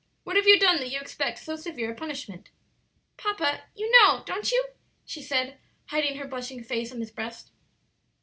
"What have you done that you expect so severe a punishment?" "Papa, you know, don't you?" she said, hiding her blushing face on his breast.